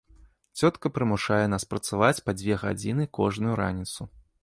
Цётка прымушае нас працаваць па дзве гадзіны кожную раніцу.